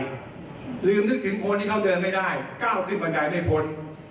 ลืมนึกถึงคนที่เขาเดินไม่ได้ก้าวขึ้นบันไดไม่พ้น